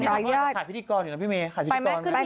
ขายพิธีกรถึงแล้วพี่เมย์ขายพิธีกรไหม